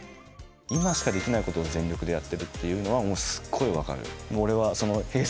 今しかできないことを全力でやってるっていうのはもうすっごい分かる。